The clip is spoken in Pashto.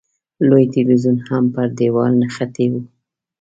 لوی تلویزیون هم پر دېوال نښتی و.